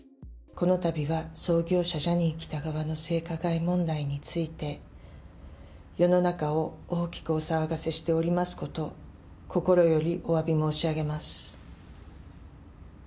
このたびは創業者、ジャニー喜多川の性加害問題について、世の中を大きくお騒がせしておりますこと、心よりおわび申し上げます。